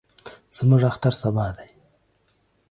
زموږ اختر سبا دئ.